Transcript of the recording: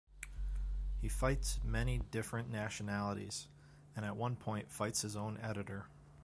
He fights many different nationalities, and at one point fights his own editor.